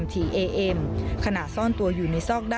มีความรู้สึกว่า